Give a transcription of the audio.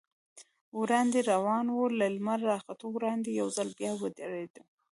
وړاندې روان و، له لمر راختو وړاندې یو ځل بیا ودرېدو.